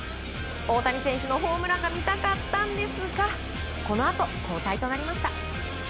大谷選手のホームランが見たかったんですがこのあと交代となりました。